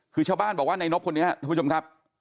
คือชาวบ้านบอกว่าในนบคนนี้ท่านผู้ชมครับ